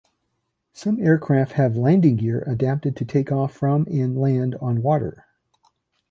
Some aircraft have landing gear adapted to take off from and land on water.